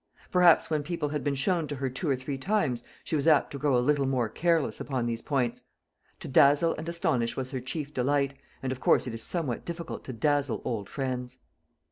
Perhaps when people had been to her two or three times, she was apt to grow a little more careless upon these points. To dazzle and astonish was her chief delight, and of course it is somewhat difficult to dazzle old friends.